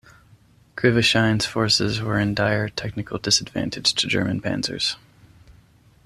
Krivoshein's forces were in dire technical disadvantage to German panzers.